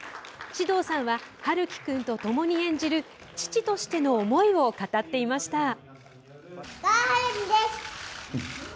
獅童さんは陽喜君とともに演じる父としての思いを語っていました。